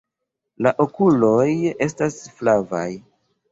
La okuloj estas flavaj.